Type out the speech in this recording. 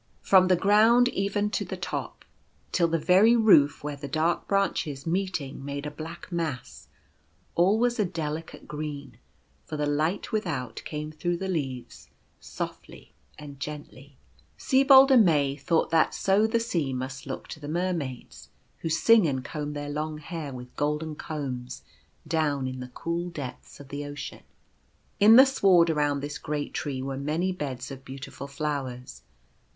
From the ground even up to the top, till the very roof where the dark branches meeting made a black mass, all was a delicate green, for the light without came through the leaves softly and gently. Sibold and May thought that so the sea must look to the Mermaids, who sing and comb their long hair with golden combs down in the cool depths of the ocean. In the sward around this great tree were many beds of beautiful flowers.